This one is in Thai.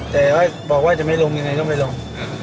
แต่ว่าบอกว่าจะไม่ลงยังไงก็ไม่ลง